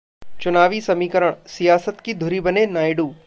चुनावी समीकरणः सियासत की धुरी बने नायडू